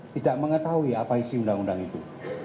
tidak mengetahui apa isi undang undang itu